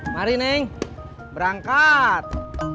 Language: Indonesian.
mari neng berangkat